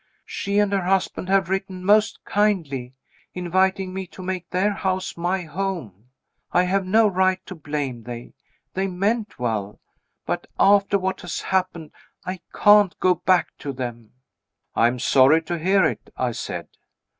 "She and her husband have written most kindly, inviting me to make their house my home. I have no right to blame them they meant well. But after what has happened, I can't go back to them." "I am sorry to hear it," I said.